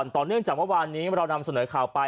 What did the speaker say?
ต่อเนื่องจากเมื่อวานนี้เรานำเสนอข่าวไป